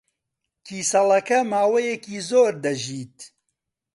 کیسەڵەکە ماوەیەکی زۆر دەژیت.